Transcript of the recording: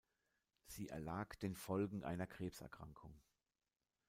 Sie erlag den Folgen einer Krebserkrankung.